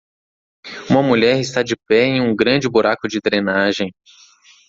Uma mulher está de pé em um grande buraco de drenagem.